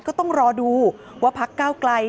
ก็ต้องรอดูว่าพักก้าวไกล